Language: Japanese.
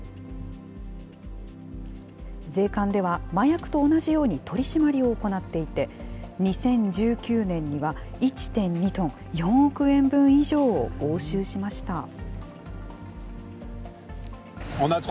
税関では麻薬と同じように取締りを行っていて、２０１９年には１．２トン、４億円分以上を押収しました。